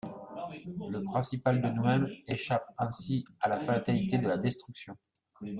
Le principal de nous-mêmes échappe ainsi à la fatalité de la destruction.